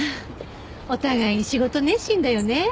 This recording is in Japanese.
お互い仕事熱心だよね。